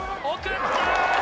送った！